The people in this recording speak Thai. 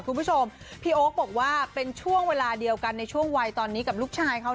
คุณผู้ชมพี่โอ๊คบอกว่าเป็นช่วงเวลาเดียวกันในช่วงวัยตอนนี้กับลูกชายเขา